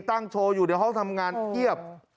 โชว์อยู่ในห้องทำงานเพียบ